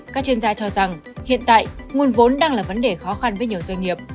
các chuyên gia cho rằng hiện tại nguồn vốn đang là vấn đề khó khăn với nhiều doanh nghiệp